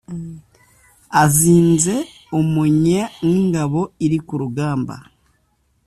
azinze umunya nk’ingabo iri ku rugamba,